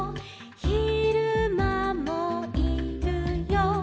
「ひるまもいるよ」